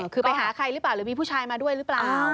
คือไปหาใครหรือเปล่าหรือมีผู้ชายมาด้วยหรือเปล่า